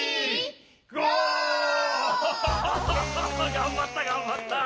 がんばったがんばった！